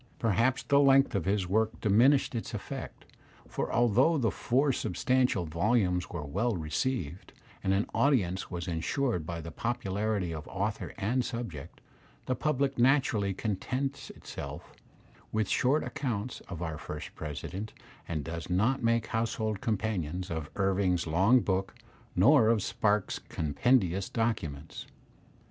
Perhaps the length of his work diminished its effect, for although the four substantial volumes were well received, and an audience was ensured by the popularity of author and subject, the public naturally contents itself with short accounts of our first President, and does not make household companions of Irving's long book nor of Spark's compendious documents.